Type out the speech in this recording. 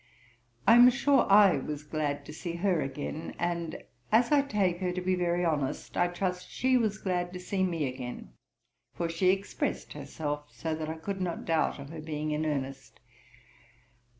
I am sure I was glad to see her again; and, as I take her to be very honest, I trust she was glad to see me again; for she expressed herself so, that I could not doubt of her being in earnest.